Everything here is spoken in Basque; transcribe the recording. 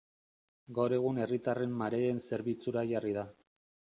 Gaur egun Herritarren Mareen zerbitzura jarri da.